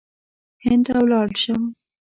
هند ته ولاړ شم.